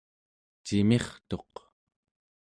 cimirtuq